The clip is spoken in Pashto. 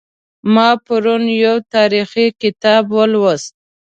ما پرون یو تاریخي کتاب ولوست